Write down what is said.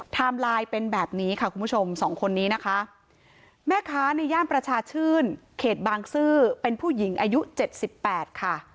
ไลน์เป็นแบบนี้ค่ะคุณผู้ชมสองคนนี้นะคะแม่ค้าในย่านประชาชื่นเขตบางซื่อเป็นผู้หญิงอายุเจ็ดสิบแปดค่ะ